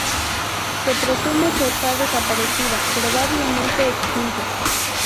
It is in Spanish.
Se presume que está desaparecida, probablemente extinto.